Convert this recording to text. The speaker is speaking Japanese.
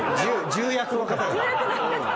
重役の方は。